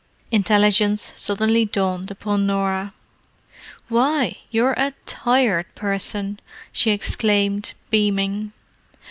Intelligence suddenly dawned upon Norah. "Why, you're a Tired Person!" she exclaimed, beaming.